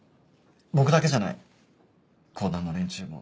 僕だけじゃない公団の連中も。